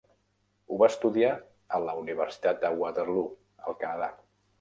Ho va estudiar a la Universitat de Waterloo, al Canadà.